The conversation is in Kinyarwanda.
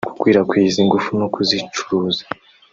gukwirakwiza ingufu no kuzicuruza